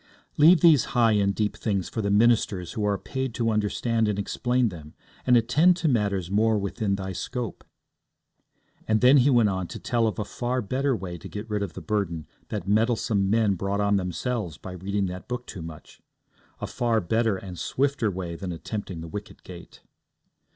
'Leave these high and deep things for the ministers who are paid to understand and explain them, and attend to matters more within thy scope.' And then he went on to tell of a far better way to get rid of the burden that meddlesome men brought on themselves by reading that book too much a far better and swifter way than attempting the wicket gate.